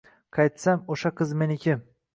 Qaytsam, o`sha qiz meniki